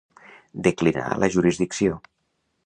Declinar la jurisdicció.